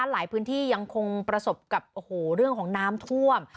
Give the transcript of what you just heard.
หลายพื้นที่ยังคงประสบกับเรื่องของน้ำท่วม